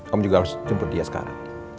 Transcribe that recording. kamu juga harus jemput dia sekarang